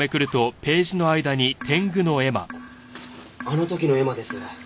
あの時の絵馬です。